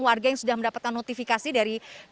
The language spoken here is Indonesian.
warga yang sudah mendapatkan notifikasi dari